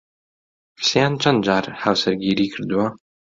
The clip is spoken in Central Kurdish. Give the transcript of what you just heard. حوسێن چەند جار هاوسەرگیریی کردووە؟